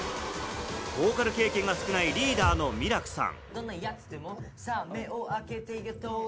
ボーカル経験が少ないリーダーのミラクさん。